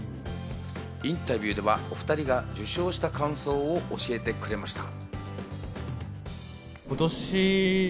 インタビューでは、お２人が受賞した感想を教えてくれました。